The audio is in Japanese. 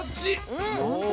うん。